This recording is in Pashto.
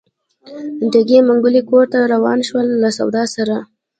ډکې منګولې کور ته روان شول له سودا سره.